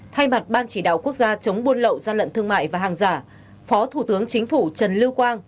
thay mặt ban chỉ đạo quốc gia chống buôn lậu gian lận thương mại và hàng giả phó thủ tướng chính phủ trần lưu quang